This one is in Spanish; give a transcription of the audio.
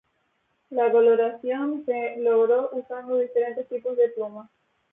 La coloración se logró usando diferentes tipos de plumas.